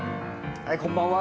はいこんばんは。